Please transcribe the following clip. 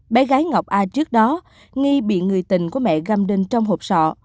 bé gái ngọc a trước đó nghi bị người tình của mẹ gâm đinh trong hộp sọ